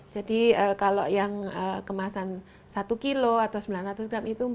jadi kalau yang kemasan satu kg atau sembilan ratus gram itu